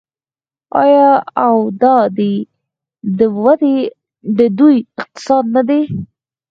آیا او دا دی د دوی اقتصاد نه دی؟